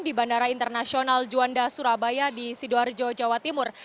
di bandara internasional juanda surabaya di sidoarjo jawa timur